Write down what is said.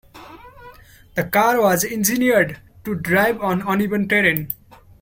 The car was engineered to drive on uneven terrain.